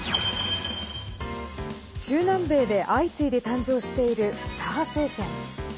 中南米で相次いで誕生している左派政権。